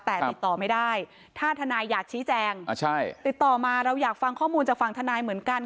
แต่ติดต่อไม่ได้ถ้าทนายอยากชี้แจงติดต่อมาเราอยากฟังข้อมูลจากฝั่งทนายเหมือนกัน